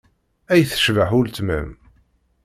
Ay tecbeḥ uletma-m!